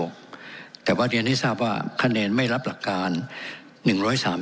แต่ว่าเรียนให้ทราบว่าคะแนนไม่รับหลักการหนึ่งร้อยสาม